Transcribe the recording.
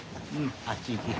あっち行け。